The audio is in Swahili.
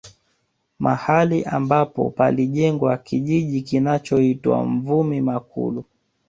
Mahali ambapo palijengwa kijiji kinachoitwa Mvumi Makulu